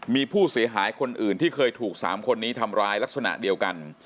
มีผู้เสียหายคนอื่นที่เคยถูก๓คนนี้ทำร้ายลักษณะเดียวกัน